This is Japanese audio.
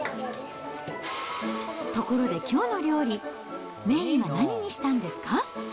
ところできょうの料理、メインは何にしたんですか？